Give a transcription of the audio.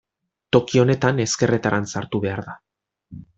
Toki honetan, ezkerretarantz hartu behar da.